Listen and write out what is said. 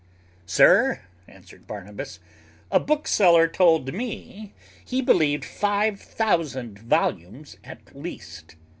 "Sir," answered Barnabas, "a bookseller told me, he believed five thousand volumes at least."